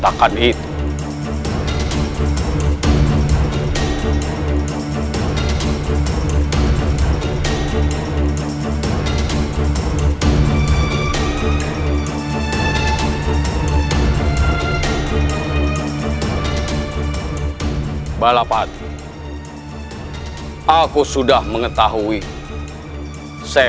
pajajaran harus berhubung